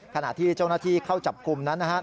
ขณะที่เจ้าหน้าที่เข้าจับกลุ่มนั้นนะครับ